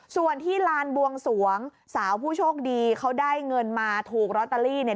ส่วนที่ลานบวงสวงสาวผู้โชคดีเขาได้เงินมาถูกลอตเตอรี่เนี่ย